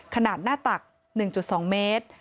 ขนาดหน้าตัก๑๒เมตร